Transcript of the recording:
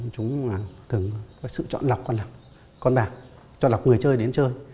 chúng thường có sự chọn lọc con bạc chọn lọc người chơi đến chơi